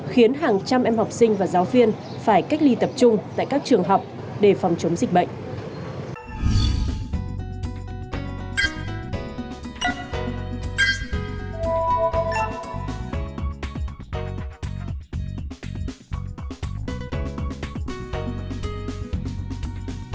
khiến hàng trăm em học sinh và giáo viên phải cách ly tập trung tại các trường học để phòng chống dịch bệnh